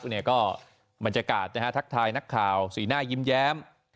อันนี้ก็มันจะกาดนะฮะทักทายนักข่าวสีหน้ายิ้มแย้ม